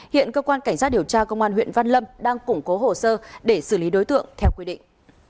hiện cơ quan cảnh sát điều tra công an huyện văn lâm đang củng cố hồ sơ để xử lý đối tượng theo quy định